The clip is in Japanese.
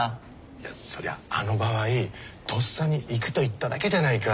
いやそりゃあの場合とっさに行くと言っただけじゃないか。